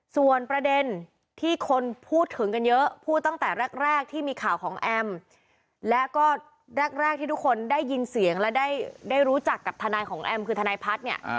ส่วนประเด็นที่คนพูดถึงกันเยอะพูดตั้งแต่แรกที่มีข่าวของแอมและก็แรกที่ทุกคนได้ยินเสียงและได้รู้จักกับทนายของแอมคือทนายพัฒน์เนี่ย